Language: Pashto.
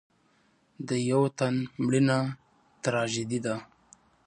د یو تن مړینه تراژیدي ده.